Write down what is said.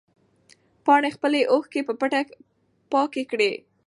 پاڼې خپلې اوښکې په پټه پاکې کړې.